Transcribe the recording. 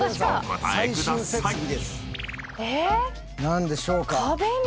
何でしょうか？